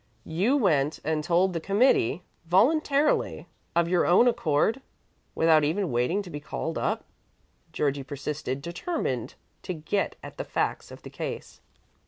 "You went and told the committee voluntarily, of your own accord, without even waiting to be called up?" Georgie persisted, determined to get at the facts of the case.